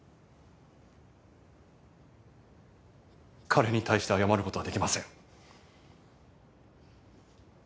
彼に対して謝る事はできません。